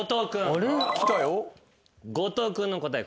後藤君の答え